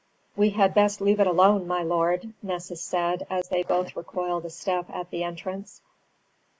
"We had best leave it alone, my lord," Nessus said as they both recoiled a step at the entrance.